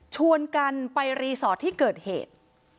ชวนกันไปรีสอร์ทที่เกิดเหตุ